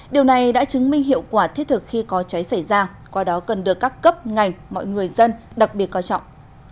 điều này đã chứng minh hiệu quả thiết thực khi có cháy xảy ra qua đó cần được các cấp ngành mọi người dân đặc biệt coi trọng